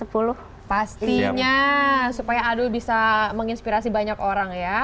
pastinya supaya adul bisa menginspirasi banyak orang ya